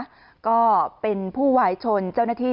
ส่งแสดงความเสียพระราชหรือไทย